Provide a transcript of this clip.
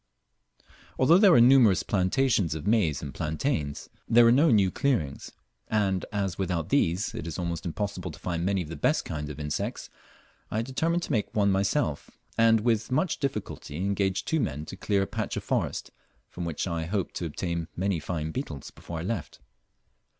Although there were numerous plantations of maize and plantains, there were no new clearings; and as without these it is almost impossible to find many of the best kinds of insects, I determined to make one myself, and with much difficulty engaged two men to clear a patch of forest, from which I hoped to obtain many fine beetles before I left.